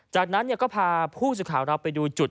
จากนั้นก็พาผู้สื่อข่าวเราไปดูจุด